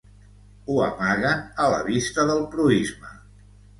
Ho amaguen a la vista del proïsme